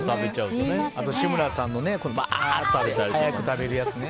あと志村さんのバーッと早く食べるやつね。